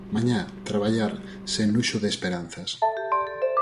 Mañá, traballar, sen luxo de esperanzas.